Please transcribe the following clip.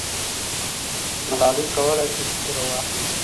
ملالۍ کولای سوای چې توره واخلي.